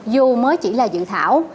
dù mới chỉ là dự thảo